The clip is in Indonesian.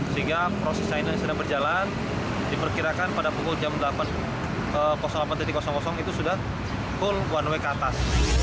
sehingga proses lainnya sedang berjalan diperkirakan pada pukul jam delapan itu sudah full one way ke atas